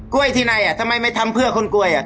กล้วยที่ในทำไมไม่ทำเพื่อคนกล้วย